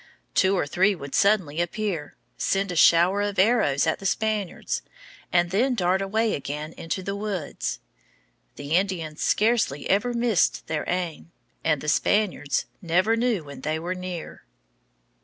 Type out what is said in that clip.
Two or three would suddenly appear, send a shower of arrows at the Spaniards, and then dart away again into the woods. The Indians scarcely ever missed their aim, and the Spaniards never knew when they were near.